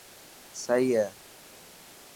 سهي هي،